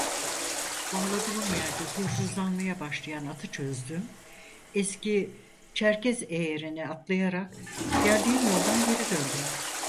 Bağladığım yerde huysuzlanmaya başlayan atı çözdüm, eski Çerkez eyerine atlayarak geldiğim yoldan geri döndüm.